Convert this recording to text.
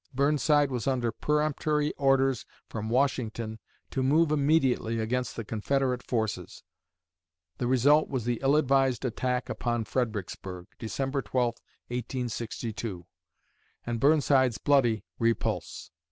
Burnside was under peremptory orders from Washington to move immediately against the Confederate forces. The result was the ill advised attack upon Fredericksburg (December 12, 1862) and Burnside's bloody repulse.